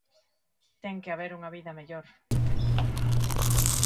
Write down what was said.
Ten que haber unha vida mellor.